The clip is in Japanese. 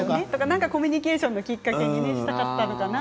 コミュニケーションのきっかけにしたかったのかな？